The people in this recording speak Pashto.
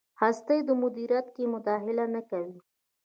هستۍ مدیریت کې مداخله نه کوي.